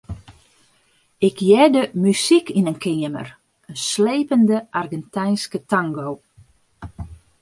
Ik hearde muzyk yn in keamer, in slepende Argentynske tango.